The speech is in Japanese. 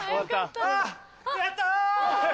あぁやった！